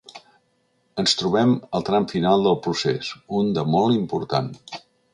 Ens trobem al tram final del procés, un de molt important.